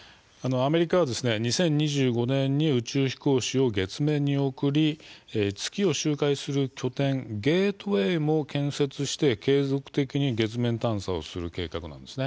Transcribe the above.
アメリカは２０２５年に宇宙飛行士を月面に送って月を周回する拠点ゲートウェイも建設して継続的に月面探査をする計画なんです。